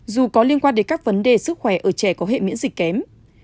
dù có liên quan đến các vấn đề sức khỏe ở trẻ có hệ miễn dịch kém